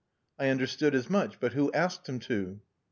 "I understood as much. But who asked him to?"